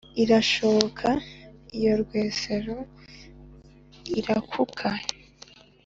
irashooka íya rwesero irakúuka